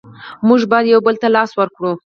مونږ باید یو بل ته لاس ورکړو.